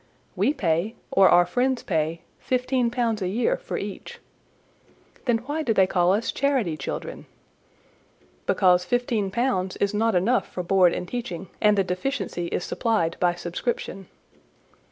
"We pay, or our friends pay, fifteen pounds a year for each." "Then why do they call us charity children?" "Because fifteen pounds is not enough for board and teaching, and the deficiency is supplied by subscription."